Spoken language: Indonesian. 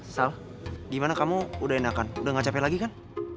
sal gimana kamu udah enakan udah gak capek lagi kan